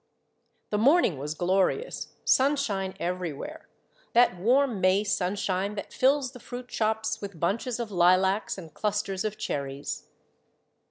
The morning was glorious, sunshine everywhere, — that warm May sunshine that fills the fruit shops with bunches of Hlacs and clusters of cherries.